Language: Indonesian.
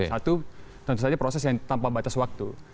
satu tentu saja proses yang tanpa batas waktu